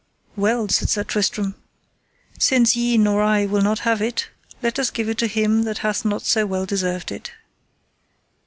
Well, said Sir Tristram, since ye nor I will not have it, let us give it to him that hath not so well deserved it.